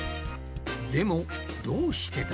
でもどうしてだ？